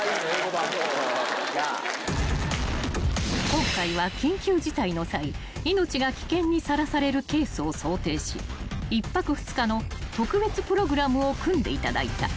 ［今回は緊急事態の際命が危険にさらされるケースを想定し１泊２日の特別プログラムを組んでいただいた］